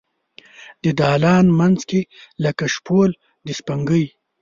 د دالان مینځ کې لکه شپول د سپوږمۍ